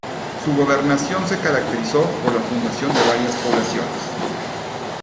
Su gobernación se caracterizó por la fundación de varias poblaciones.